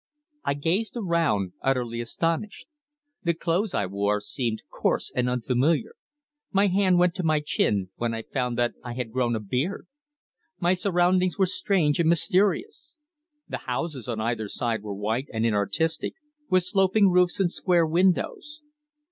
I gazed around, utterly astonished. The clothes I wore seemed coarse and unfamiliar. My hand went to my chin, when I found that I had grown a beard! My surroundings were strange and mysterious. The houses on either side were white and inartistic, with sloping roofs and square windows.